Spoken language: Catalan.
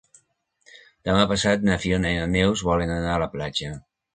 Demà passat na Fiona i na Neus volen anar a la platja.